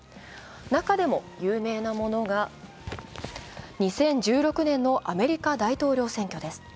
中でも有名なものが２０１６年のアメリカ大統領選挙です。